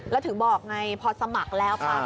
แล้วถึงบอกพอสมัครแล้ว